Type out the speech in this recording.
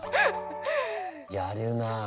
やるな。